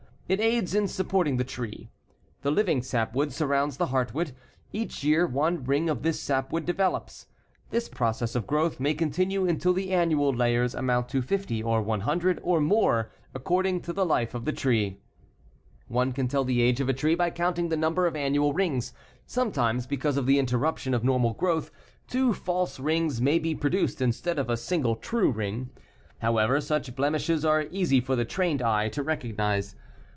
It aids in supporting the tree. The living sapwood surrounds the heartwood. Each year one ring of this sapwood develops. This process of growth may continue until the annual layers amount to 50 or 100, or more, according to the life of the tree. One can tell the age of a tree by counting the number of annual rings. Sometimes, because of the interruption of normal growth, two false rings may be produced instead of a single true ring. However, such blemishes are easy for the trained eye to recognize.